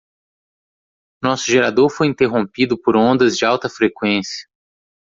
Nosso gerador foi interrompido por ondas de alta frequência.